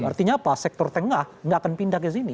artinya apa sektor tengah gak akan pindah kesini